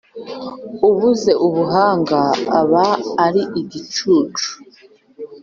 ubuze ubuhanga aba ari igicucu.